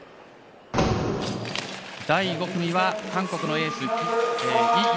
第５組は韓国のエースイ